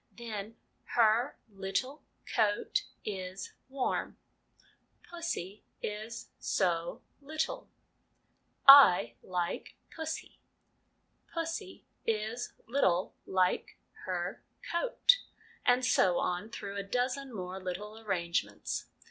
Then, ' her little coat is warm/ ' Pussy is so little/ ' I like pussy/ ' Pussy is little like her coat/ and so on through a dozen more little arrangements.